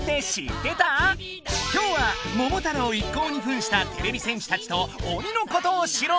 今日は桃太郎一行にふんしたてれび戦士たちと鬼のことを知ろう！